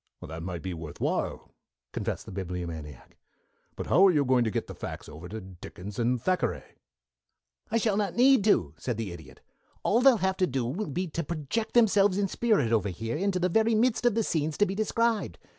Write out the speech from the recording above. "That might be worth while," confessed the Bibliomaniac. "But how are you going to get the facts over to Dickens and Thackeray?" "I shall not need to," said the Idiot. "All they'll have to do will be to project themselves in spirit over here into the very midst of the scenes to be described.